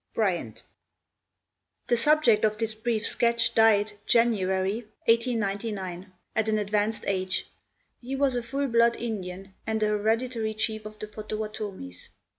Bryant. The subject of this brief sketch died, January , 1899, at an advanced age. He was a full blood Indian, and a hereditary chief of the Pottowattomies.